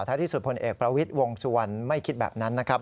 ถ้าที่สุดพลเอกประวิทย์วงสุวรรณไม่คิดแบบนั้นนะครับ